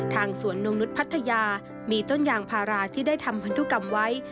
สวนนงนุษย์พัทยามีต้นยางพาราที่ได้ทำพันธุกรรมไว้